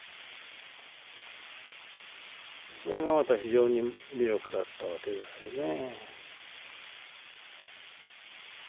それがまた非常に魅力だったわけですよね。